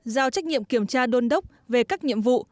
giao trách nhiệm kiểm tra đôn đốc về các nhiệm vụ